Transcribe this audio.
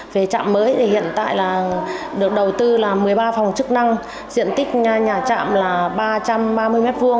về trạm mới thì hiện tại là được đầu tư là một mươi ba phòng chức năng diện tích nhà trạm là ba trăm ba mươi m hai